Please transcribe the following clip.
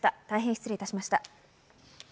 大変失礼いたしました。